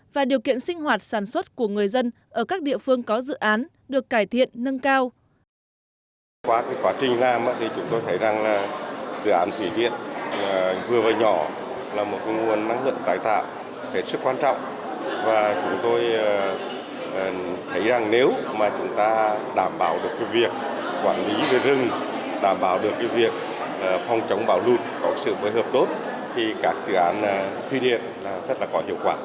và điều kiện sinh hoạt sản xuất của người dân ở các địa phương có dự án được cải thiện nâng cao